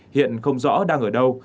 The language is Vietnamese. hiện không rõ đang ở đâu